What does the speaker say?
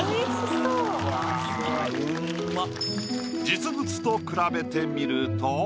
実物と比べてみると。